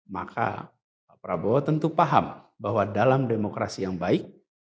maka pak prabowo tentu paham bahwa dalam demokrasi yang baik